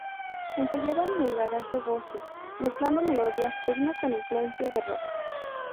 Ensayaban en el garaje de Bosio, mezclando melodías tecno con influencias de rock.